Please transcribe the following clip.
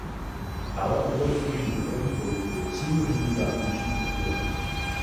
Dále odbory služby dopravní policie přímo řídí dálniční oddělení.